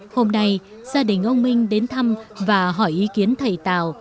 hôm nay gia đình ông minh đến thăm và hỏi ý kiến thầy tào